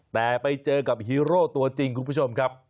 แต่ไปเจอกับฮีโร่ตัวจริงคุณผู้ชมครับ